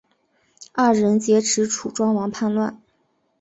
二人劫持楚庄王叛乱。